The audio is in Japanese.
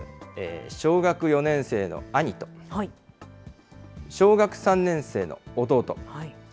小学４年生の兄と、小学３年生の弟。